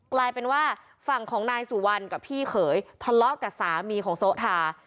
กลายเป็นว่าฝั่งของนายสุวรรณกับพี่เขยทะเลาะกับสามีของโซทา